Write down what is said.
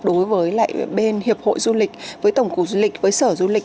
đối với lại bên hiệp hội du lịch với tổng cục du lịch với sở du lịch